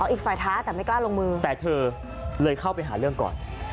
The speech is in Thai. อีกฝ่ายท้าแต่ไม่กล้าลงมือแต่เธอเลยเข้าไปหาเรื่องก่อน